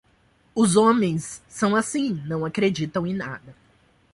Os homens são assim, não acreditam em nada.